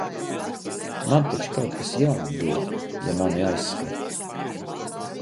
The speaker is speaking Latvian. Man taču kaut kas jāatbild, ja mani aizskar!